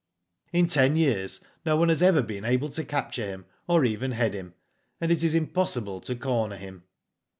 In ten years, no one has ever been able to capture him, or even head him, and it is impossible to corner him.